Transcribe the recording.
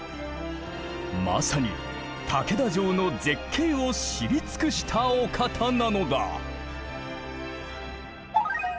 まさに竹田城の絶景を知り尽くしたお方なのだ。